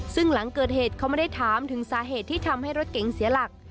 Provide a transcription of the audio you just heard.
ซึ่งหลังเกิดเหตุเขาไม่ได้ถามถึงสาเหตุที่ทำให้รถเก๋งเสียหลัก